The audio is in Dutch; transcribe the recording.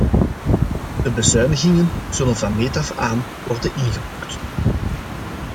De bezuinigingen zullen van meet af aan worden ingeboekt.